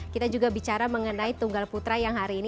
kita juga bicara mengenai tunggal putra yang hari ini